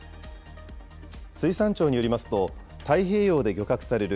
水産庁によりますと、太平洋で漁獲される